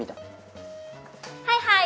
はいはい！